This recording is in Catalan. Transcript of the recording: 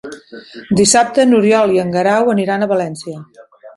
Dissabte n'Oriol i en Guerau aniran a València.